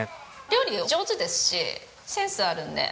料理上手ですしセンスあるので。